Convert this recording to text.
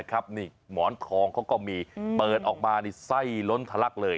นี่หมอนทองเขาก็มีเปิดออกมานี่ไส้ล้นทะลักเลย